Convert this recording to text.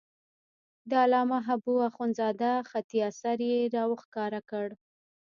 د علامه حبو اخندزاده خطي اثر یې را وښکاره کړ.